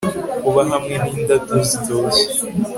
Kuba hamwe n indabyo zitoshye